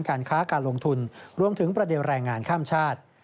การค้าการลงทุนรวมถึงประเด็นแรงงานข้ามชาติ